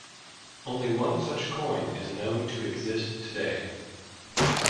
Only one such coin is known to exist today.